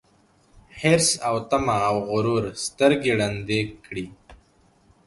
حرص او تمه او غرور سترګي ړندې کړي